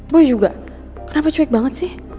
gue juga kenapa cuek banget sih